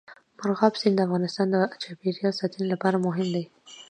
مورغاب سیند د افغانستان د چاپیریال ساتنې لپاره مهم دی.